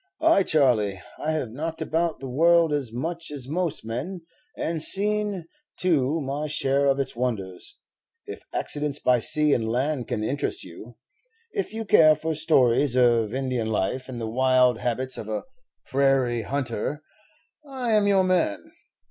"Ay, Charley, I have knocked about the world as much as most men, and seen, too, my share of its wonders. If accidents by sea and land can interest you, if you care for stories of Indian life and the wild habits of a prairie hunter, I 'm your man.